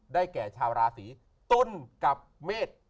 ได้แก่ชาวราศีตุ้นกับเมฆ